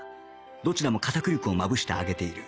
どちらも片栗粉をまぶして揚げている